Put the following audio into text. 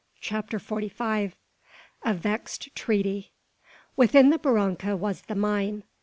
CHAPTER FORTY FIVE. A VEXED TREATY. Within the barranca was the mine.